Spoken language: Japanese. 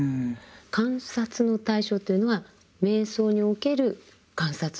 観察の対象というのは瞑想における観察の対象？